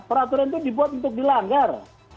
peraturan itu dibuat untuk dilanggar